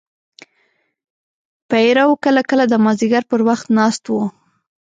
پیرو کله کله د مازدیګر پر وخت ناست و.